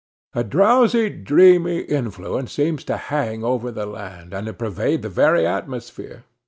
A drowsy, dreamy influence seems to hang over the land, and to pervade the very atmosphere.